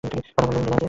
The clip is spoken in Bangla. কথা বললেন না যে?